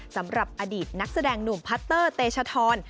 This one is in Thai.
สำหรับอดีตนักแสดงหนุ่มพัตเตอร์เตชธร